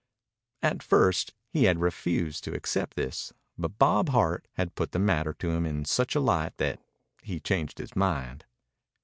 At first he had refused to accept this, but Bob Hart had put the matter to him in such a light that he changed his mind.